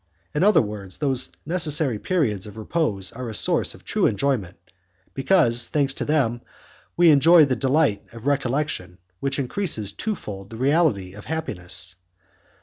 In other words those necessary periods of repose are a source of true enjoyment, because, thanks to them, we enjoy the delight of recollection which increases twofold the reality of happiness.